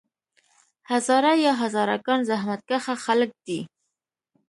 هزاره یا هزاره ګان زحمت کښه خلک دي.